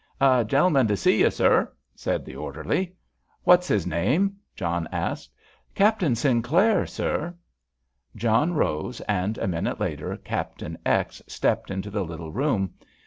"A gentleman to see you, sir," said the orderly. "What's his name?" John asked. "Captain Sinclair, sir." John rose, and a minute later Captain X. stepped into the little room.